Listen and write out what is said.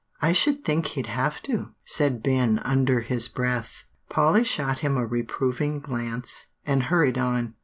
"I should think he'd have to," said Ben under his breath. Polly shot him a reproving glance, and hurried on.